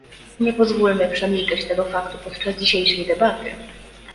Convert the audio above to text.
Nie pozwólmy przemilczeć tego faktu podczas dzisiejszej debaty